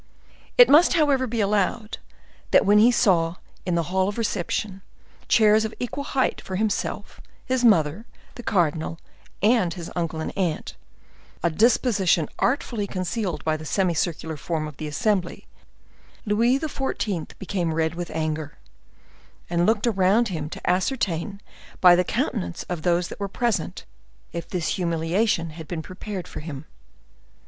It must, however, be allowed, that when he saw, in the hall of reception, chairs of equal height for himself, his mother, the cardinal, and his uncle and aunt, a disposition artfully concealed by the semi circular form of the assembly, Louis XIV. became red with anger, and looked around him to ascertain by the countenances of those that were present, if this humiliation had been prepared for him.